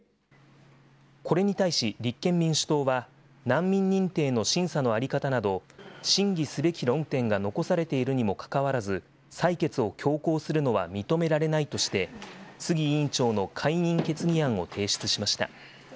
これに対し、立憲民主党は、難民認定の審査の在り方など、審議すべき論点が残されているにもかかわらず採決を強行するのは認められないとして、杉委員長の解任決議案を提出しました。